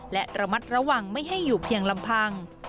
และระมัดระวังไม่ให้อยู่เพียงลำพัง